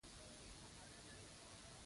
د شګو تر منځ پاڼې پټېږي